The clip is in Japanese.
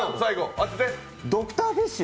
ドクターフィッシュ？